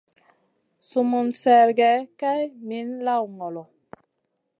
Sum mun sergue Kay min lawn ngolo.